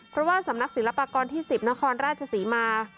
เพราะว่าสำนักศิลปากรที่๑๐นครราชศรีมา